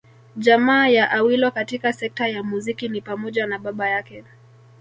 Jamaa ya Awilo katika sekta ya muziki ni pamoja na baba yake